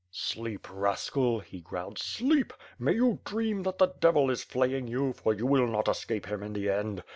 "Sleep, rascal," he growled, "sleep! May you dream that the devil is flaying you, for you will not escape him in the end.